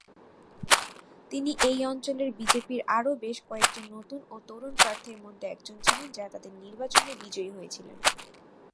তিনি এই অঞ্চলের বিজেপির আরও বেশ কয়েকজন নতুন ও তরুণ প্রার্থীর মধ্যে একজন ছিলেন, যারা তাদের নির্বাচনে বিজয়ী হয়েছিলেন।